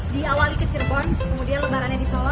di awal di kecilbon kemudian lebarannya di solo